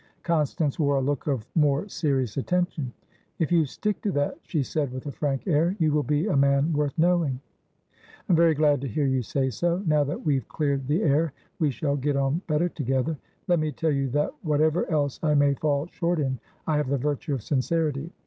Constance wore a look of more serious attention. "If you stick to that," she said, with a frank air, "you will be a man worth knowing." "I'm very glad to hear you say so. Now that we've cleared the air, we shall get on better together. Let me tell you that, whatever else I may fall short in, I have the virtue of sincerity.